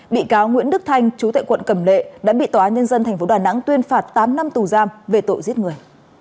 bị cáo nguyễn đức thanh chú tại quận cầm lệ đã bị tòa nhân dân tp đà nẵng tuyên phạt tám năm tù giam về tội giết người